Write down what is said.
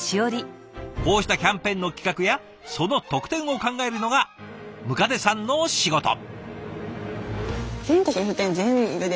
こうしたキャンペーンの企画やその特典を考えるのが百足さんの仕事。